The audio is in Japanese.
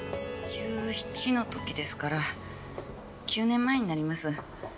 １７の時ですから９年前になります。